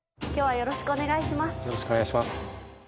よろしくお願いします。